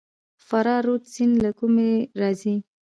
فراه رود سیند له کومه راځي؟